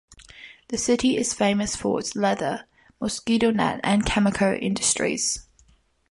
The city is famous for its leather, mosquito net and chemical industries.